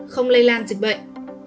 không lây lan dịch bệnh